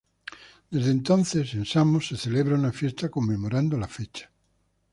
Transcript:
Desde entonces en Samos se celebraba una fiesta conmemorando la fecha.